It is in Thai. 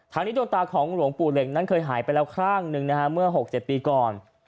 ทางนี้ดวงตาของหลวงปู่เหล็งนั้นเคยหายไปแล้วข้างหนึ่งนะฮะเมื่อ๖๗ปีก่อน